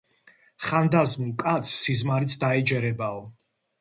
ხანდაზმულ კაცს სიზმარიც დაეჯერებაო.